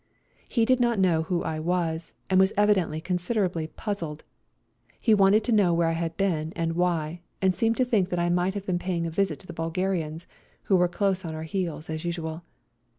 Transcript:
He did not know who I was, and was evidently considerably puzzled. He wanted to know where I had been and why, and seemed to think that I 110 GOOD BYE TO SERBIA might have been paying a visit to the Bulgarians, who were close on our heels as usual.